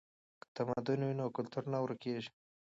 که تمدن وي نو کلتور نه ورکیږي.